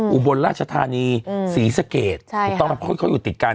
อุบลราชธานีศรีสเกษต้องเอาค่อยอยู่ติดกัน